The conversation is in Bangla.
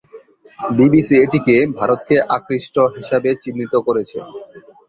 বিবিসি এটিকে "ভারতকে আকৃষ্ট" হিসাবে চিহ্নিত করেছে।